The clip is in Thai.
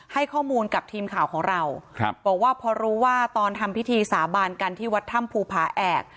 ให้ข้อมูลกับทีมข่าวของเราบอกว่าพอรู้ว่าตอนทำพิธีสาบานกันที่วัดถ้ำภูผาแอก